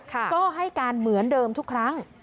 ก็ให้การเหมือนเดิมทุกครั้ง